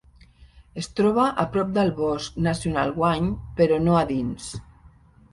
Es troba a prop del Bosc Nacional Wayne, però no a dins.